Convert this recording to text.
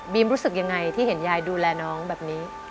รู้สึกยังไงที่เห็นยายดูแลน้องแบบนี้